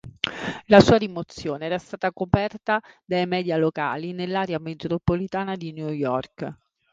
La sua rimozione era stata coperta dai media locali nell'area metropolitana di New York.